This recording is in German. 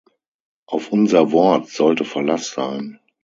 Auf unser Wort sollte Verlass sein.